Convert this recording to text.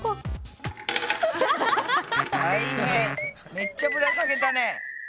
めっちゃぶら下げたね。